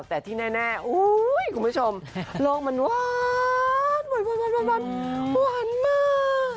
แต่ที่แน่คุณผู้ชมโลกมันหวานหวานมาก